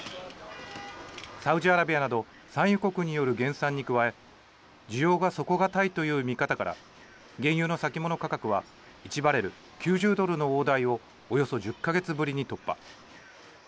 サウジアラビアなど産油国による減産に加え、需要が底堅いという見方から原油の先物価格は１バレル９０ドルの大台をおよそ１０か月ぶりに突破。